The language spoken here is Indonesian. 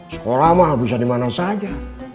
sekolah mah bisa dimana saja